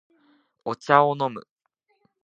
お茶を飲む